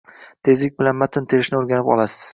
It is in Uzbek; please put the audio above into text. tezlik bilan matn terishni o’rganib olasiz